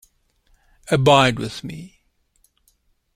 Abide with me.